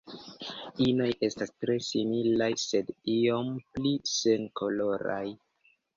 Inoj estas tre similaj sed iom pli senkoloraj.